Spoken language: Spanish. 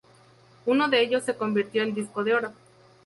Uno de ellos se convirtió en disco de oro.